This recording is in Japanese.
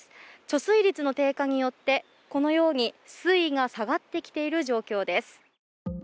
貯水率の低下によってこのように水位が下がってきている状況です。